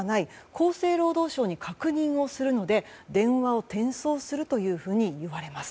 厚生労働省に確認をするので電話を転送するというふうに言われます。